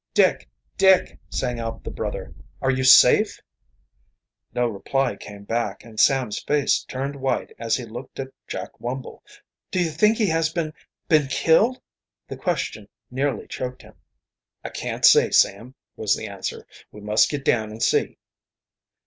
"Dick! Dick!" sang out the brother. "Are you safe?" No reply came back, and Sam's face turned white as he looked at Jack Wumble. "Do you think he has been been killed?" The question nearly choked him. "I can't say, Sam," was the answer. "We must git down an' see."